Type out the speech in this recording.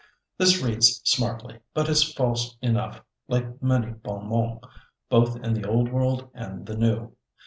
This reads smartly, but is false enough, like many bons mots both in the Old World and the New.